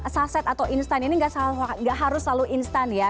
saset atau instan ini nggak harus selalu instan ya